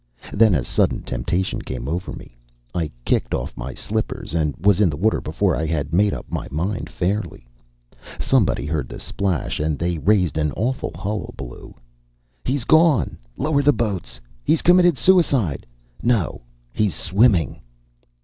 Then a sudden temptation came over me. I kicked off my slippers and was in the water before I had made up my mind fairly. Somebody heard the splash and they raised an awful hullabaloo. 'He's gone! Lower the boats! He's committed suicide! No, he's swimming.